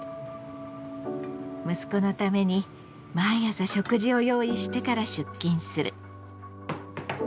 息子のために毎朝食事を用意してから出勤する。